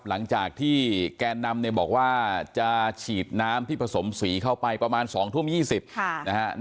หลังจากที่แกนนำเนี่ยบอกว่าจะฉีดน้ำที่ผสมสีเข้าไปประมาณสองทุ่มยี่สิบค่ะนะฮะ